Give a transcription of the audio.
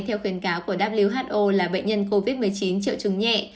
theo khuyến cáo của who là bệnh nhân covid một mươi chín triệu chứng nhẹ